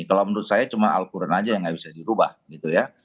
kalau menurut saya cuma al quran aja yang nggak bisa dirubah gitu ya